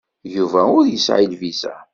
Yuba ur yesɛi lviza.